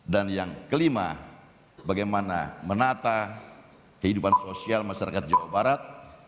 dan yang kelima bagaimana menata kehidupan sosial masyarakat jawa barat